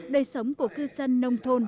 đời sống của cư dân nông thôn